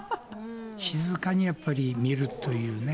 静かにやっぱり見るというね。